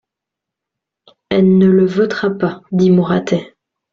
Elle ne le votera, pas, dit Mouratet.